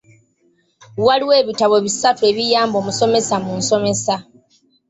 Waliwo ebitabo bisatu ebiyamba omusomesa mu nsomesa.